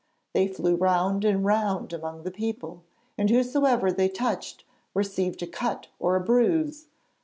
They flew round and round among the people, and whosoever they touched received a cut or a bruise.